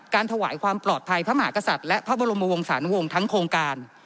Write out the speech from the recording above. ถวายความปลอดภัยพระมหากษัตริย์และพระบรมวงศาลวงศ์ทั้งโครงการ